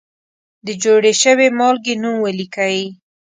د جوړې شوې مالګې نوم ولیکئ.